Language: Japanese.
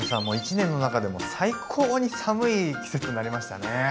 もう一年の中でも最高に寒い季節になりましたね。